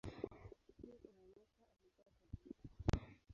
Hii inaonyesha alikuwa tajiri.